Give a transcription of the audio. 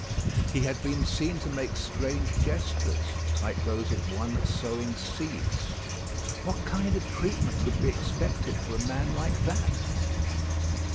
He had been seen to make strange gestures, like those of one sowing seeds. What kind of treatment could be expected for a man like that?